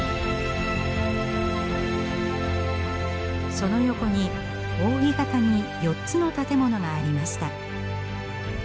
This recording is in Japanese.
その横に扇形に４つの建物がありました。